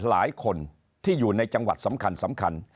หลายคนที่อยู่ในจังหวัดสำคัญ